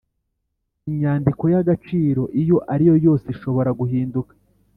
Inyandiko y agaciro iyo ariyo yose ishobora guhinduka